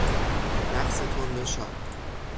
رقص تند و شاد